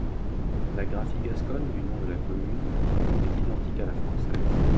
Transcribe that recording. La graphie gasconne du nom de la commune est identique à la française.